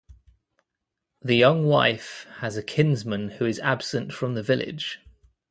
The young wife has a kinsman who is absent from the village.